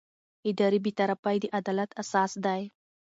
اداري بېطرفي د عدالت اساس دی.